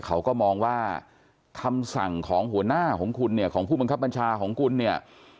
เขาก็มองว่าคำสั่งของหัวหน้าของคุณเนี่ยของผู้บังคับบัญชาของคุณเนี่ย